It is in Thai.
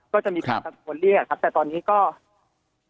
ก็จะมีคนเรียกแต่ตอนนี้ก็